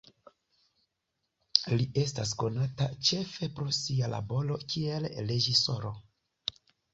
Li estas konata ĉefe pro sia laboro kiel reĝisoro.